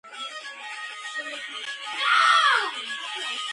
ჰუგენოტების ბრძოლის დროს კათოლიკების ერთ-ერთი ბელადი იყო.